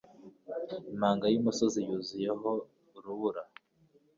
Impinga yumusozi yuzuyeho urubura.